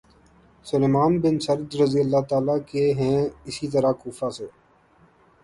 سلیمان بن سرد رض کے ہیں اسی طرح کوفہ سے